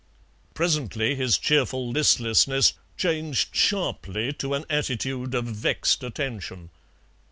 Presently his cheerful listlessness changed sharply to an attitude of vexed attention.